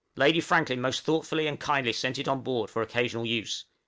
Lady Franklin most thoughtfully and kindly sent it on board for occasional use.